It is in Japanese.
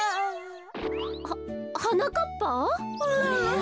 ははなかっぱ？